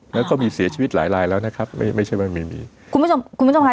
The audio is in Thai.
แล้วก็มีเสียชีวิตหลายลายแล้วนะครับไม่ใช่ว่าไม่มีคุณผู้ชมคุณผู้ชมค่ะ